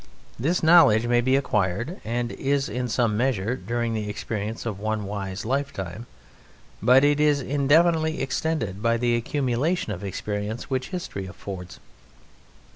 This knowledge may be acquired, and is in some measure, during the experience of one wise lifetime, but it is indefinitely extended by the accumulation of experience which history affords.